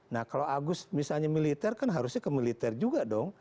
nah kalau agus misalnya militer kan harusnya ke militer juga dong